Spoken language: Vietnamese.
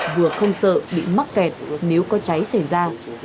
vừa không sợ bị mắc kẹt nếu có cháy xảy ra